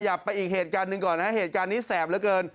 ไปอีกเหตุการณ์หนึ่งก่อนนะเหตุการณ์นี้แสบเหลือเกิน